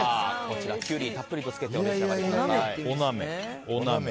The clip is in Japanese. キュウリにたっぷりとつけてお召し上がりください。